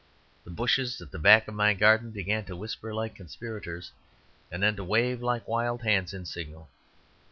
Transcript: The bushes at the back of my garden began to whisper like conspirators; and then to wave like wild hands in signal.